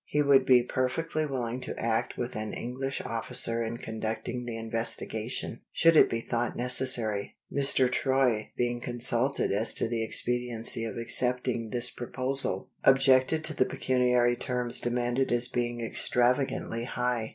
He would be perfectly willing to act with an English officer in conducting the investigation, should it be thought necessary. Mr. Troy being consulted as to the expediency of accepting this proposal, objected to the pecuniary terms demanded as being extravagantly high.